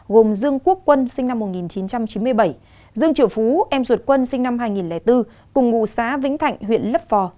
gồm dương quốc quân sinh năm một nghìn chín trăm chín mươi bảy dương triều phú em ruột quân sinh năm hai nghìn bốn cùng ngụ xã vĩnh thạnh huyện lấp vò